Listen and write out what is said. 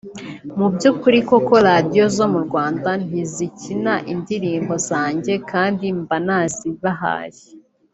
Mu by’ukuri koko Radio zo mu Rwanda ntizikina indirimbo zanjye kandi mba nazibahaye